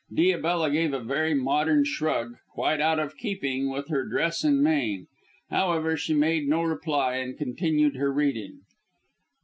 Diabella gave a very modern shrug quite out of keeping with her dress and mien. However, she made no reply and continued her reading.